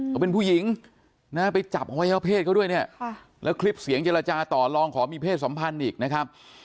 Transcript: เขาเป็นผู้หญิงนะไปจับอวัยวะเพศเขาด้วยเนี่ยแล้วคลิปเสียงเจรจาต่อลองขอมีเพศสัมพันธ์อีกนะครับ